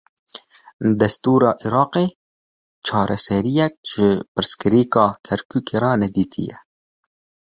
Destûra Iraqê, çareseriyek ji pirsgirêka Kerkûkê re nedîtiye